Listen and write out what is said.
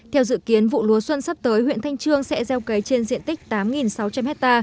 theo dự kiến vụ lúa xuân sắp tới huyện thanh trương sẽ gieo cấy trên diện tích tám sáu trăm linh hectare